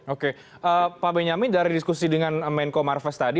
oke pak benyamin dari diskusi dengan menko marves tadi